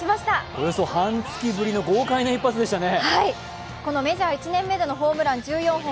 およそ半月ぶりの豪快な一発でしたね。